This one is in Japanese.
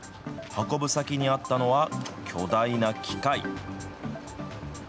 運ぶ先にあったのは、巨大な機械。